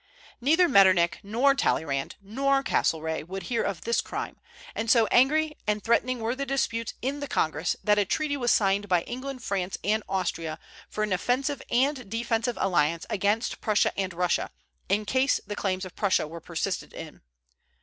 Neither Metternich nor Talleyrand nor Castlereagh would hear of this crime; and so angry and threatening were the disputes in the Congress that a treaty was signed by England, France, and Austria for an offensive and defensive alliance against Prussia and Russia, in case the claims of Prussia were persisted in.